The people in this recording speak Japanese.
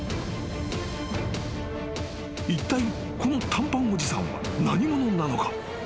［いったいこの短パンおじさんは何者なのか？